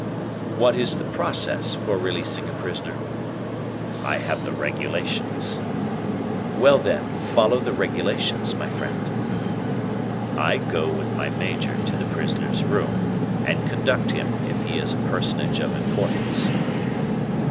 "What is the process for releasing a prisoner?" "I have the regulations." "Well, then, follow the regulations, my friend." "I go with my major to the prisoner's room, and conduct him, if he is a personage of importance."